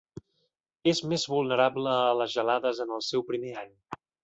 És més vulnerable a les gelades en el seu primer any.